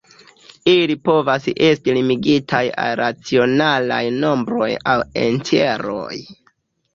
Ili povas esti limigitaj al racionalaj nombroj aŭ entjeroj.